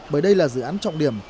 bởi đây là dự án trọng điểm